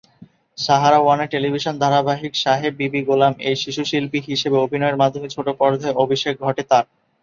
সাহারা ওয়ানের টেলিভিশন ধারাবাহিক "সাহেব বিবি গোলাম" এ শিশুশিল্পী হিসেবে অভিনয়ের মাধ্যমে ছোটপর্দায় অভিষেক ঘটে তার।